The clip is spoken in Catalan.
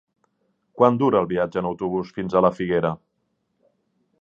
Quant dura el viatge en autobús fins a la Figuera?